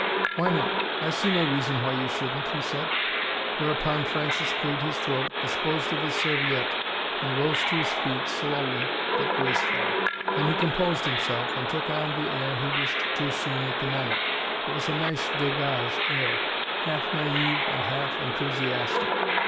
"Why not? I see no reason why you shouldn't," he said. Whereupon Francis cleared his throat, disposed of his serviette, and rose to his feet, slowly but gracefully. Then he composed himself, and took on the air he wished to assume at the moment. It was a nice degage air, half naive and half enthusiastic.